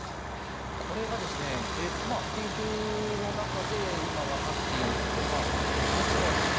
これがですね研究の中で今分かっていることが実はですね